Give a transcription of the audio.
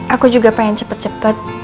aku juga pengen cepet cepet